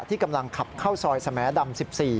ที่กำลังขับเข้าซอยสมดำ๑๔